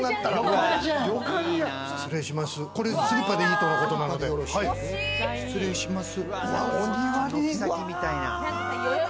これ、スリッパでいいとのことなので、失礼します。